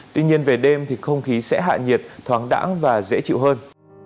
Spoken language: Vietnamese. tuy nhiên về đêm thì không khí sẽ hạ nhiệt thoáng đẳng và dễ chịu hơn